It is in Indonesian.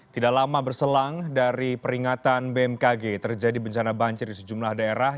tidak lama berselang dari peringatan bmkg terjadi bencana banjir di sejumlah daerah